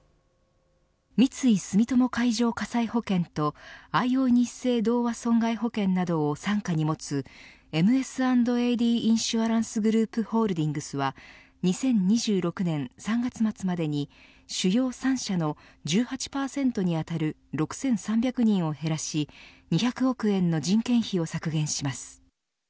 三井住友海上火災保険とあいおいニッセイ同和損害保険などを傘下に持つＭＳ＆ＡＤインシュアランスグループホールディングスは２０２６年３月末までに主要３社の１８％に当たる６３００人を減らし２００億円の人件費を削減します。